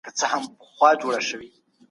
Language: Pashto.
ښځه به مجبورېدله چي ورڅخه طلاق واخلي.